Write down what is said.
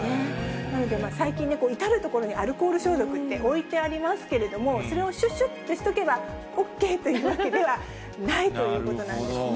なので、最近、至る所にアルコール消毒って置いてありますけれども、それをしゅしゅっとしとけば、ＯＫというわけではないというこそうなんですね。